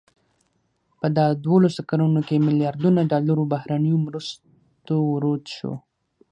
په دا دولسو کلونو کې ملیاردونو ډالرو بهرنیو مرستو ورود شو.